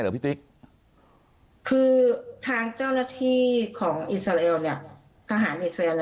พี่ติ๊กคือทางเจ้าหน้าที่ของอิสราเอลเนี่ยทหารอิสราเอล